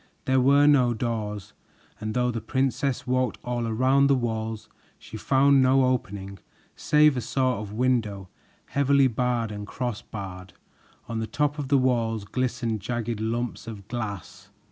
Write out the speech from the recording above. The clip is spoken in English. There were no doors, and though the princess walked all around the walls, she found no opening save a sort of window heavily barred and crossbarred. On the top of the walls glistened jagged lumps of glass.